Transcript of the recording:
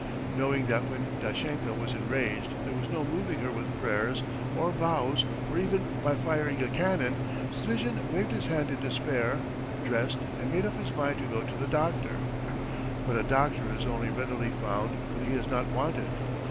... Knowing that when Dashenka was enraged there was no moving her with prayers or vows or even by firing a cannon, Strizhin waved his hand in despair, dressed, and made up his mind to go to the doctor. But a doctor is only readily found when he is not wanted.